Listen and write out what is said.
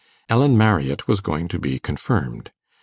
Ellen Marriott was going to be confirmed.